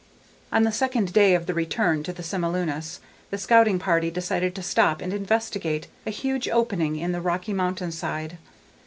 On the second day of the return to the Semilunis, the scouting party decided to stop and investigate a huge opening in the rocky mountainside.